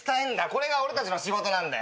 これが俺たちの仕事なんだよ。